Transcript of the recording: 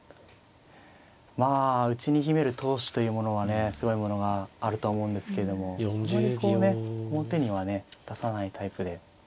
まあ内に秘める闘志というものはねすごいものがあるとは思うんですけれどもあまりこうね表にはね出さないタイプで。